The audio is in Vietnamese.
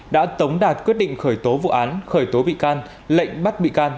đã tống đạt quyết định khởi tố vụ án khởi tố bị can lệnh bắt bị can